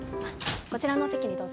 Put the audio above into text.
こちらのお席にどうぞ。